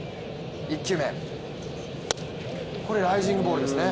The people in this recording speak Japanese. １球目、これライジングボールですね。